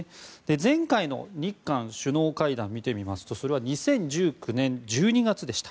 前回の日韓首脳会談を見てみますと、それは２０１９年１２月でした。